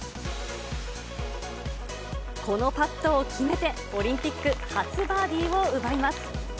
このパットを決めて、オリンピック初バーディーを奪います。